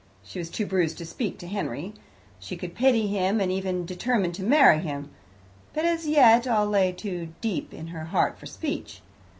She was too bruised to speak to Henry; she could pity him, and even determine to marry him, but as yet all lay too deep in her heart for speech.